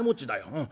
うん。